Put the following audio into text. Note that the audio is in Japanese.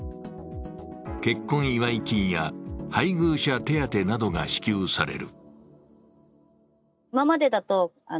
結婚祝い金や配偶者手当などが支給される。